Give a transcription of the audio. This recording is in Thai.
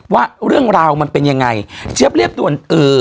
ว่าเรื่องราวมันเป็นยังไงเจี๊ยบเรียบด่วนเอ่อ